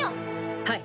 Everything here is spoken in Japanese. はい。